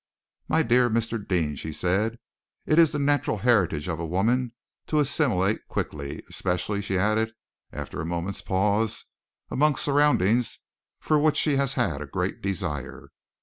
"My dear Mr. Deane," she said, "it is the natural heritage of a woman to assimilate quickly, especially," she added, after a moment's pause, "amongst surroundings for which she has had a great desire.